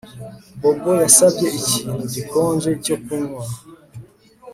Bobo yasabye ikintu gikonje cyo kunywa